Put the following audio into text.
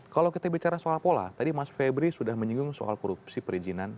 kalau kita bicara soal pola tadi mas febri sudah menyinggung soal korupsi perizinan